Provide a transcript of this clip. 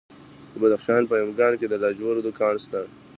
د بدخشان په یمګان کې د لاجوردو کان دی.